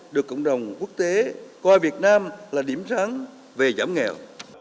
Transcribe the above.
được cộng đồng quốc tế coi việt nam là điểm sáng về giảm nghèo